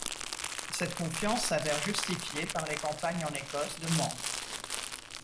Cette confiance s'avère justifiée par les campagnes en Écosse de Monck.